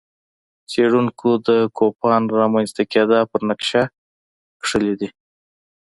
څېړونکو د کوپان رامنځته کېدا پر نقشه کښلي دي.